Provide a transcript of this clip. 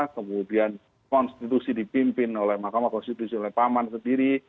kemudian konstitusi dipimpin oleh mahkamah konstitusi oleh paman sendiri